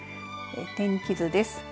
天気図です。